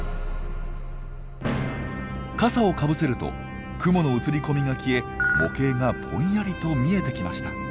傘をかぶせると雲の映り込みが消え模型がぼんやりと見えてきました。